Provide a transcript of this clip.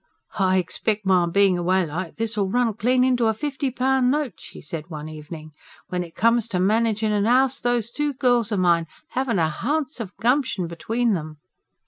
"I expec' my bein' away like this'll run clean into a fifty poun' note," she said one evening. "When it comes to managin' an 'ouse, those two girls of mine 'aven't a h'ounce o' gumption between them."